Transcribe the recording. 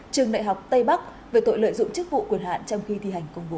trường đại học tây bắc về tội lợi dụng chức vụ quyền hạn trong khi thi hành công vụ